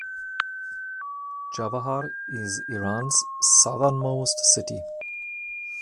Chabahar is Iran's southernmost city.